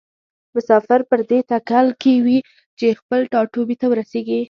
مسافر پر دې تکل کې وي چې خپل ټاټوبي ته ورسیږي.